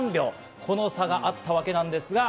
この差があったわけです。